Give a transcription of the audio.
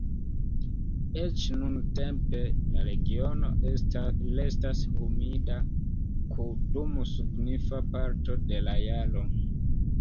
Eĉ nuntempe, la regiono restas humida dum signifa parto de la jaro.